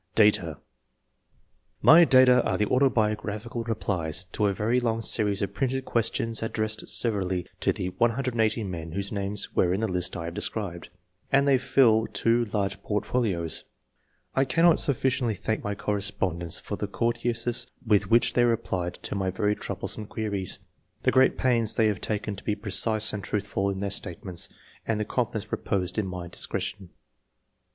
DATA. My data are the autobiographical replies to a very long series of printed questions ad dressed severally to the 180 men whose names were in the list I have described, and they fill two large portfolios. I cannot suflSciently I.] ANTECEDENTS. U thank my correspondents for the courteousness with which they replied to my very trouble some queries, the great pains they have taken to be precise and truthful in their statements, and the confidence reposed in my discretion.